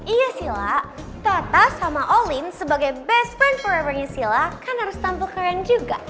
iya sila tata sama olin sebagai best friend forever nya sila kan harus tampil keren juga